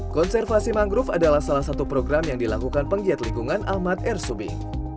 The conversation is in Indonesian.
konservasi mangrove adalah salah satu program yang dilakukan penggiat lingkungan ahmad rsubing